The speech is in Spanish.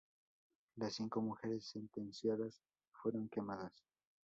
Las cinco mujeres sentenciadas fueron quemadas.